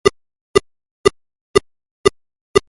Córrer les hores.